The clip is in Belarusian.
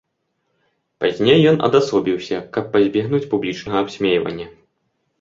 Пазней ён адасобіўся, каб пазбегнуць публічнага абсмейвання.